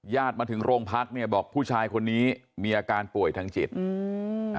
มาถึงโรงพักเนี่ยบอกผู้ชายคนนี้มีอาการป่วยทางจิตอืม